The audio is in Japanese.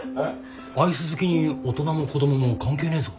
アイス好きに大人も子どもも関係ねえぞ。